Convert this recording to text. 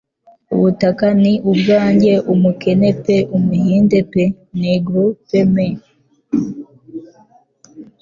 Ubutaka ni ubwanjye - umukene pe Umuhinde pe Negro pe ME -